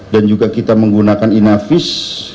dan juga kita menggunakan inafis